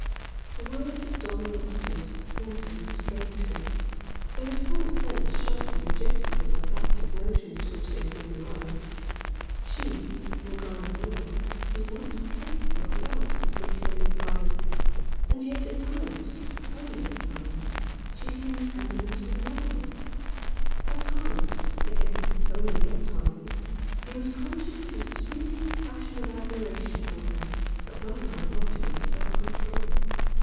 The words of Don Aloysius haunted him strangely, though his common sense sharply rejected the fantastic notions to which they had given rise. She, Morgana Royal, was "not capable" of love, the priest had implied, and yet, at times only at times, she seemed eminently lovable. At times, again, only at times he was conscious of a sweeping passion of admiration for her that well nigh robbed him of his self control.